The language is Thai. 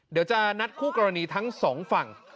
เดี๋ยวจะนัดคู่กรณีทั้งสองฝั่ง